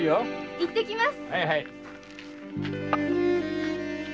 行ってきます。